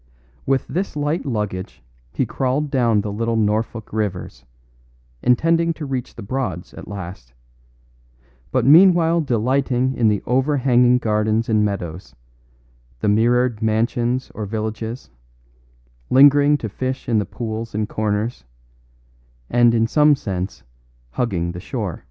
With this light luggage he crawled down the little Norfolk rivers, intending to reach the Broads at last, but meanwhile delighting in the overhanging gardens and meadows, the mirrored mansions or villages, lingering to fish in the pools and corners, and in some sense hugging the shore.